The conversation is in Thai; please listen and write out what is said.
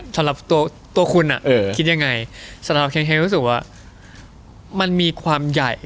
สำหรับตัวคุณคิดยังไงสำหรับเค้กรู้สึกว่ามันมีความใหญ่